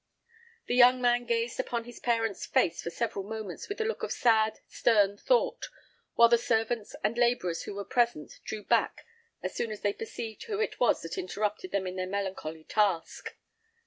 The young man gazed upon his parent's face for several moments with a look of sad, stern thought, while the servants and labourers who were present drew back as soon as they perceived who it was that interrupted them in their melancholy task.